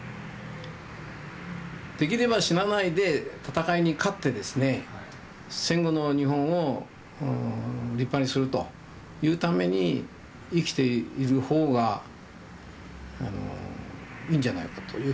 できれば死なないで戦いに勝ってですね戦後の日本を立派にするというために生きている方がいいんじゃないかというふうに思ったですよね。